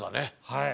はい。